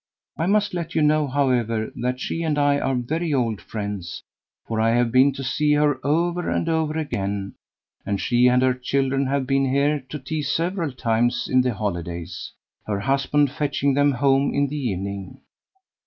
"I must let you know, however, that she and I are very old friends, for I have been to see her over and over again, and she and her children have been here to tea several times in the holidays, her husband fetching them home in the evening.